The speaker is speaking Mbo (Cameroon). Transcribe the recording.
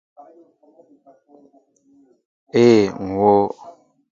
Ee, ŋ wóó.